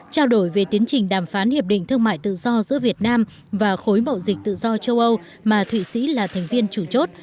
trao đổi về tiến trình đàm phán hiệp định thương mại tự do giữa việt nam và khối mậu dịch tự do châu âu mà thụy sĩ là thành viên chủ chốt